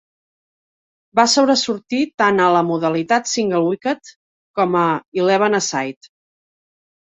Va sobresortir tant a la modalitat "single wicket" com a "eleven-a-side".